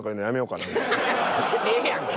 ええやんけ。